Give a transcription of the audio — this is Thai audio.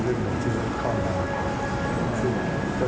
และมีความดูชอบและสังเกตุภัณฑ์